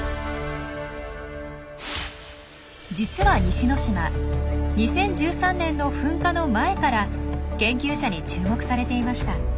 実は西之島２０１３年の噴火の前から研究者に注目されていました。